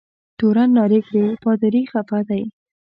تورن نارې کړې پادري خفه دی.